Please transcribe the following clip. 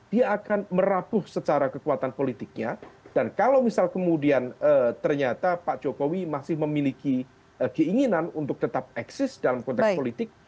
dia akan merapuh secara kekuatan politiknya dan kalau misal kemudian ternyata pak jokowi masih memiliki keinginan untuk tetap eksis dalam konteks politik